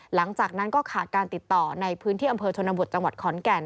หลังจากนั้นก็ขาดการติดต่อในพื้นที่อำเภอชนบทจังหวัดขอนแก่น